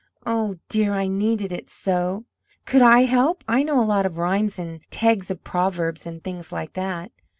"Oh, dear, I needed it so." "Could I help? I know a lot of rhymes and tags of proverbs and things like that."